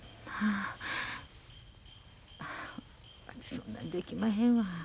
そんなんできまへんわ。